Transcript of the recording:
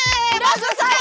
udah selesai udah selesai